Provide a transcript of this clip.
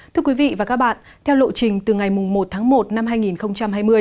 thưa quý vị và các bạn theo lộ trình từ ngày một tháng một năm hai nghìn hai mươi